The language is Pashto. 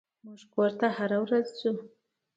موږ کور ته هره ورځ ځو.